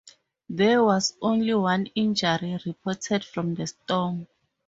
There was only one injury reported from the storm.